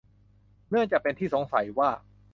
เนื่องจากเป็นที่สงสัยว่า